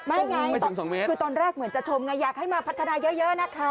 ไงคือตอนแรกเหมือนจะชมไงอยากให้มาพัฒนาเยอะนะคะ